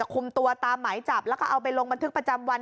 คุมตัวตามหมายจับแล้วก็เอาไปลงบันทึกประจำวัน